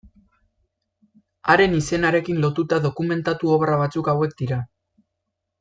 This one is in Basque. Haren izenarekin lotuta dokumentatu obra batzuk hauek dira.